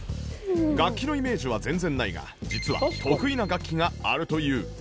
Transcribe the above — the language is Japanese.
楽器のイメージは全然ないが実は得意な楽器があるという